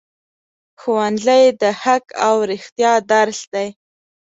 ښوونځی د حق او رښتیا درس دی